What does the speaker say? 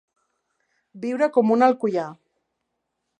Viure com un alcoià.